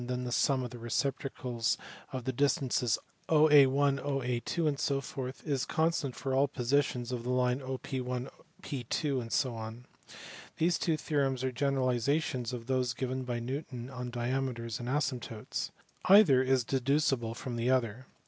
then the sum of the reciprocals of the distances OA lt OA 2y ... is constant for all positions of the line 0/VPo.... These two theorems are generalizations of those given by Newton on diameters and asymptotes. Either is deducible from the other.